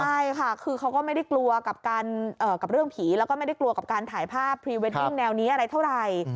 ใช่ค่ะคือเขาก็ไม่ได้กลัวกับเรื่องผีแล้วก็ไม่ได้กลัวกับการถ่ายภาพพรีเวดดิ้งแนวนี้อะไรเท่าไหร่